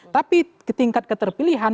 tapi tingkat keterpilihan